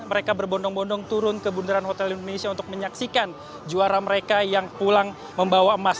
mereka berbondong bondong turun ke bundaran hotel indonesia untuk menyaksikan juara mereka yang pulang membawa emas